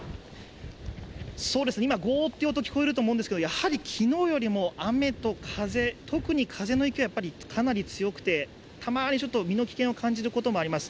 今、ゴーッという音、聞こえると思いますけど、昨日よりも雨と風、特に風の勢いがかなり強くて、たまに身の危険を感じることもあります。